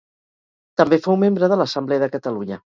També fou membre de l'Assemblea de Catalunya.